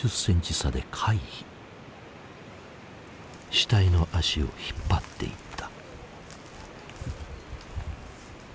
死体の足を引っ張っていった。